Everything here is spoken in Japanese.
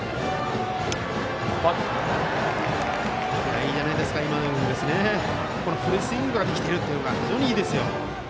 いいじゃないですか今のようにフルスイングができているのは非常にいいですよ。